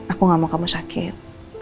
aku gak mau kamu sakit